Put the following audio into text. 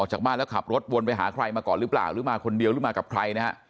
จากบ้านแล้วขับรถวนไปหาใครมาก่อนหรือเปล่าหรือมาคนเดียวหรือมากับใครนะฮะ